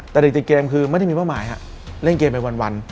แต่เด็กติดเกมคือไม่ได้มีเป้าหมายฮะเล่นเกมไปวัน